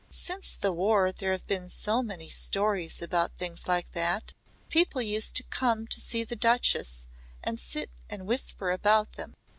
Since the War there have been so many stories about things like that. People used to come to see the Duchess and sit and whisper about them.